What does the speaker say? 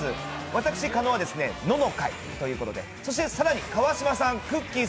私、狩野は「野」の会ということでそして更に川島さん、くっきー！